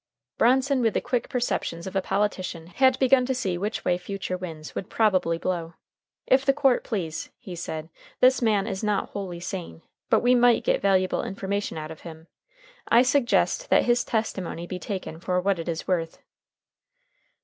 Bronson, with the quick perceptions of a politician, had begun to see which way future winds would probably blow. "If the court please," he said, "this man is not wholly sane, but we might get valuable information out of him. I suggest that his testimony be taken for what it is worth."